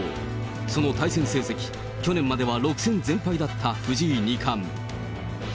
その対戦成績、去年までは６戦全敗だった藤井二冠。